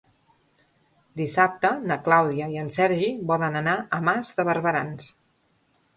Dissabte na Clàudia i en Sergi volen anar a Mas de Barberans.